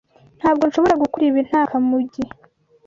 Ntabwo nshobora gukora ibi nta Kamugi.